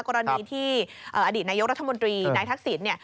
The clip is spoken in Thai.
กรณีที่อดีตนายกรัฐมนตรีนายทักษิณ